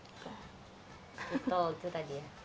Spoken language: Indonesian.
too tall itu tadi ya